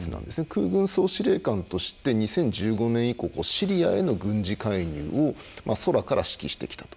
空軍総司令官として２０１５年以降シリアへの軍事介入を空から指揮してきたと。